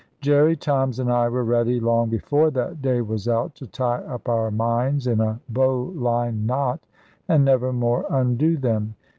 Jerry Toms and I were ready, long before that day was out, to tie up our minds in a bow line knot, and never more undo them.